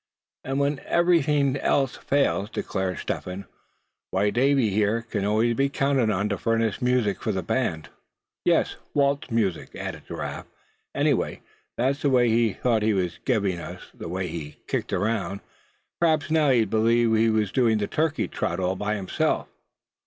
"And when everything else fails," declared Step Hen, "why, Davy, here, can always be counted on to furnish music for the band." "Yes, waltz music," added Giraffe; "anyway, that's what he thought he was giving us, the way he kicked around. P'raps, now, he believed he was doing the turkey trot, all by himself."